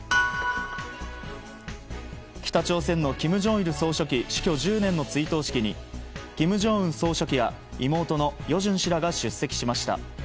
北朝鮮の金正日総書記死去１０年の追悼式に金正恩総書記や妹の与正氏らが出席しました。